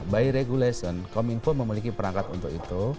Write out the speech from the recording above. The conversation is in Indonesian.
by regulation kominfo memiliki perangkat untuk itu